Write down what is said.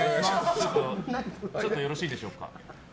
ちょっとよろしいでしょうか。